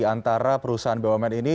antara perusahaan bumn ini